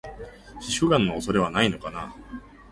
皮膚ガンの恐れはないのかな？